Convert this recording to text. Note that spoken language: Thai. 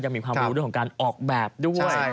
ยังมีความรู้ด้วยของการออกแบบด้วย